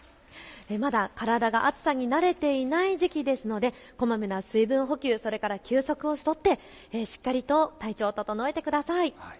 まだ体が暑さに慣れていない時期ですのでこまめな水分補給、それから休息を取ってしっかりと体調、整えてください。